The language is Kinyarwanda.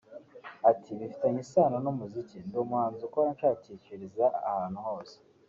Ati “Bifitanye isano n’umuziki […] Ndi umuhanzi ukora nshakishiriza ahantu hose